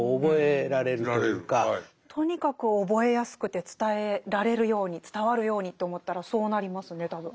とにかく覚えやすくて伝えられるように伝わるようにと思ったらそうなりますね多分。